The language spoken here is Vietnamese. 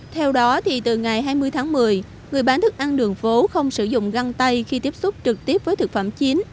theo đó từ ngày hai mươi tháng một mươi người bán thức ăn đường phố không sử dụng găng tay khi tiếp xúc trực tiếp với thực phẩm chín